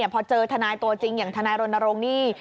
พอเจอทนายตัวจริงอย่างทนายรณรงค์นี่